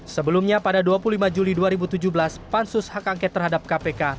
sebelumnya pada dua puluh lima juli dua ribu tujuh belas pansus hak angket terhadap kpk